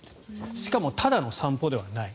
しかも、ただの散歩ではない。